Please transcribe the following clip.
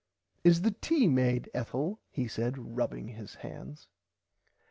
Is the tea made Ethel he said rubbing his hands.